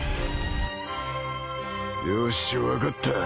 よし分かった。